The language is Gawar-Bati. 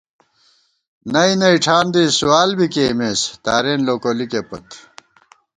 نئ نئ ٹھان دی سوال بی کېئیمېس ، تارېن لوکولِکے پت